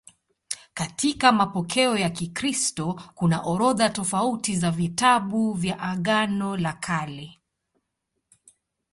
Katika mapokeo ya Kikristo kuna orodha tofauti za vitabu vya Agano la Kale.